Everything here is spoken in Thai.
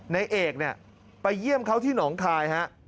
เนยเอกไปเยี่ยมเขาที่หนองไข่